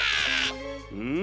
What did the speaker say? うん⁉